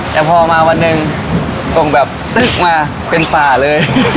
แต่พอมาวันหนึ่งตรงแบบตึ๊กมาเป็นป่าเลย